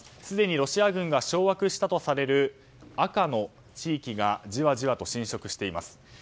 すでにロシア軍が掌握したとされる赤の地域がじわじわと浸食しています。